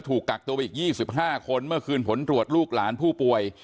ถูกกักตัวไปอีก๒๕คนเมื่อคืนผลตรวจลูกหลานผู้ป่วย